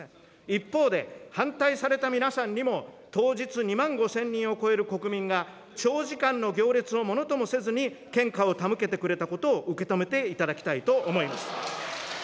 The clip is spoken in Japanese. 一方で、反対された皆さんにも、当日、２万５０００人を超える国民が、長時間の行列をものともせずに献花を手向けてくれたことを受け止めていただきたいと思います。